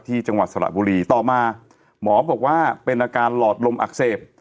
จังหวัดสระบุรีต่อมาหมอบอกว่าเป็นอาการหลอดลมอักเสบ